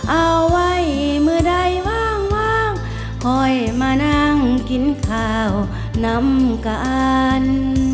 เอาไว้มือใดว่างค่อยมานั่งกินข้าวนำกัน